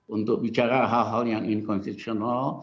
untuk bicara hal hal yang tidak konstitusional